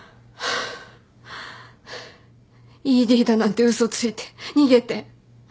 ＥＤだなんて嘘ついて逃げて。